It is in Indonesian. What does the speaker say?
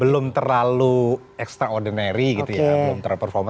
belum terlalu extraordinary belum terperforma